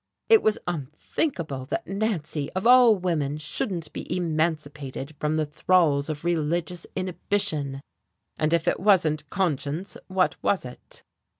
It was unthinkable that Nancy of all women shouldn't be emancipated from the thralls of religious inhibition! And if it wasn't "conscience," what was it?